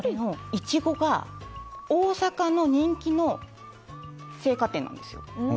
イチゴが大阪の人気の青果店なんですよ。